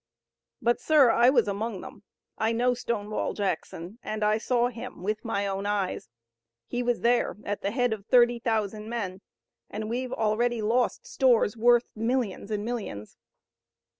But, sir, I was among them. I know Stonewall Jackson, and I saw him with my own eyes. He was there at the head of thirty thousand men, and we've already lost stores worth millions and millions.